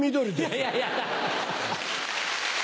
いやいや！